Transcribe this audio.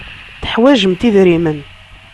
Teḥwajemt idrimen.